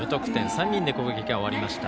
３人で攻撃は終わりました。